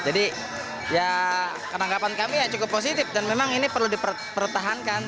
jadi ya penanggapan kami cukup positif dan memang ini perlu dipertahankan